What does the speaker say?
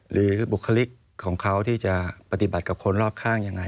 บุคลิกของเขาที่จะปฏิบัติกับคนรอบข้างยังไง